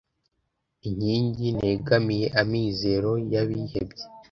inkingi negamiye, amizero y'abihebye